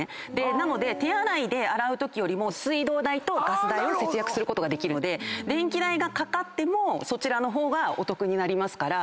なので手洗いで洗うときよりも水道代とガス代を節約することができるので電気代がかかってもそちらの方がお得になります。